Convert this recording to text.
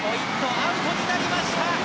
アウトになりました！